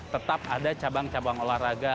tetap ada cabang cabang olahraga